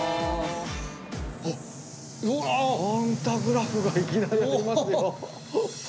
あパンタグラフがいきなりありますよ！